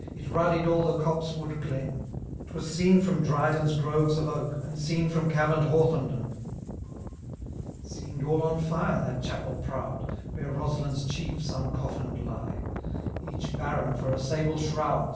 It ruddied^ aU the copse wood glen ; Twas seen from Dryden's groves of oak. And seen from cavemM Hawthomden. SeemM all on fire that chapel proud. Where Roslin's chieft uncofifin'd lie, Each Baron, for a sable shroud.